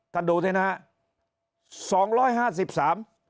ท่านดูสินะฮะ๒๕๓